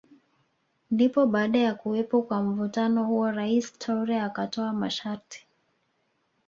Ndipo baada ya kuwepo kwa mvutano huo Rais Toure akatoa masharti